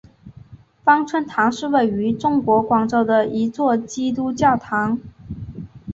芳村堂是位于中国广州的一座基督教堂。